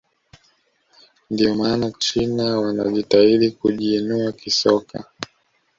ndio maana china wanajitahidi kujiinua kisoka